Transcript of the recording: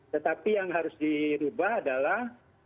tetapi yang harus dirubah adalah